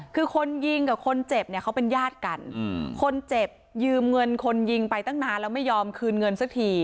คือคนยิงกับคนเจ็บเนี่ยเขาเป็นญาติกันคนเจ็บยืมเงินคนยิงไปตั้งนานแล้วไม่ยอมคืนเงินสักที